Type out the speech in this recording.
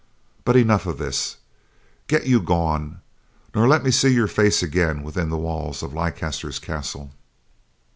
But enough of this; get you gone, nor let me see your face again within the walls of Leicester's castle."